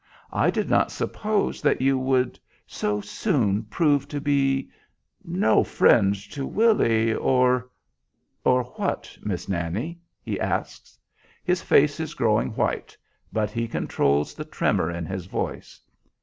I did not suppose that you would so soon prove to be no friend to Willy, or " "Or what, Miss Nannie?" he asks. His face is growing white, but he controls the tremor in his voice.